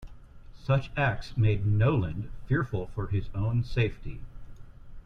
Such acts made Knowland fearful for his own safety.